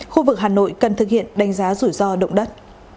khu vực hà nội cần thực hiện đánh giá rủi ro động đất